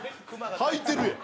はいてるやん。